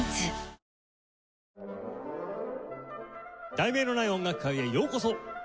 『題名のない音楽会』へようこそ！